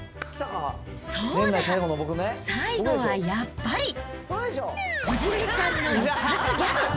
そうだ、最後はやっぱりこじるりちゃんの一発ギャグ。